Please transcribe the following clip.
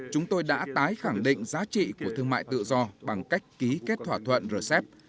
chúng tôi đã tái khẳng định giá trị của thương mại tự do bằng cách ký kết thỏa thuận rcep